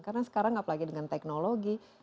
karena sekarang apalagi dengan teknologi